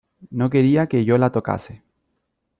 no quería que yo la tocase .